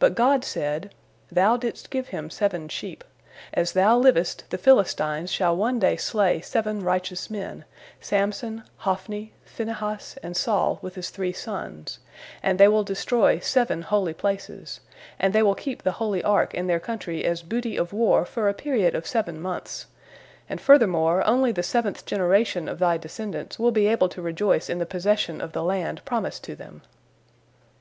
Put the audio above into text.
But God said, "Thou didst give him seven sheep. As thou livest, the Philistines shall one day slay seven righteous men, Samson, Hophni, Phinehas, and Saul with his three sons, and they will destroy seven holy places, and they will keep the holy Ark in their country as booty of war for a period of seven months, and furthermore only the seventh generation of thy descendants will be able to rejoice in the possession of the land promised to them."